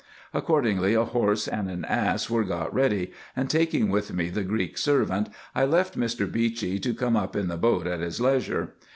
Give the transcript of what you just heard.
Accordingly a horse and an ass were got ready, and taking with me the Greek servant, I left Mr. Beechey to come up in the boat at his leisure.